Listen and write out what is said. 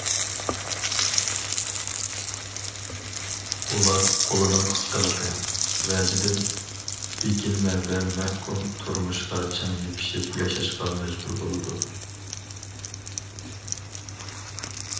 ئۇلار قولىنىڭ قىسقىلىقى ۋەجىدىن بېكىنمە ۋە مەھكۇم تۇرمۇشقا چىڭ يېپىشىپ ياشاشقا مەجبۇر بولىدۇ.